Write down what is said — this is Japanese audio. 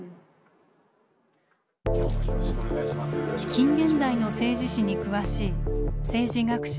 近現代の政治史に詳しい政治学者